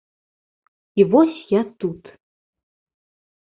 І вось я тут!